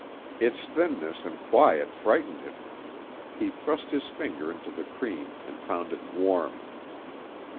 Its thinness and quiet frightened him. He thrust his finger into the cream and found it warm.